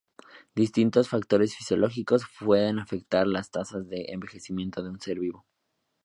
Distintos factores fisiológicos pueden afectar las tasas de envejecimiento de un ser vivo.